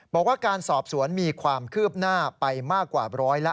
บอกว่าการสอบสวนมีความคืบหน้าไปมากกว่าร้อยละ